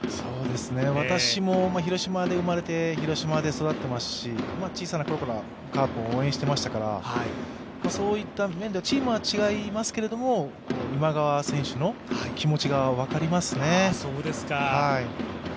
私も広島で生まれて広島で育っていますので小さなころからカープを応援してましたから、そういった面ではチームは違いますけれども、今川選手の気持ちが分かりますね。